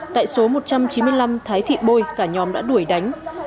tại số một trăm chín mươi năm thái thị bôi cả nhóm đã đuổi đánh